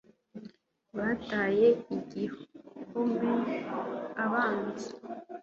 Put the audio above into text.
bataye igihome abanzi